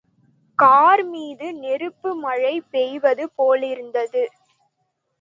கார்மீது நெருப்பு மழை பெய்வது போலிருந்தது.